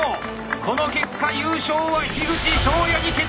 この結果優勝は口翔哉に決定！